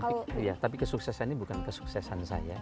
iya tapi kesuksesan ini bukan kesuksesan saya